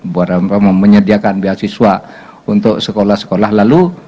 buat menyediakan beasiswa untuk sekolah sekolah lalu